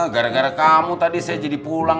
gara gara kamu tadi saya jadi pulang